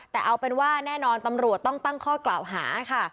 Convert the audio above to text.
แต่เอาเป็นว่าแน่นอนตำรวจต้องตั้งข้อกล่าวหาค่ะ